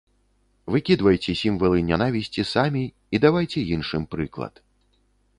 Выкідвайце сімвалы нянавісці самі і давайце іншым прыклад.